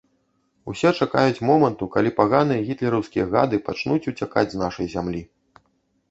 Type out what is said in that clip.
Усе чакаюць моманту, калі паганыя гітлераўскія гады пачнуць уцякаць з нашай зямлі.